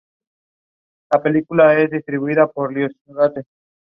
Since then the town has been part of Romania.